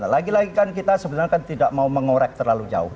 lagi lagi kan kita sebenarnya kan tidak mau mengorek terlalu jauh